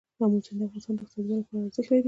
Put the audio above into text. آمو سیند د افغانستان د اقتصادي ودې لپاره ارزښت لري.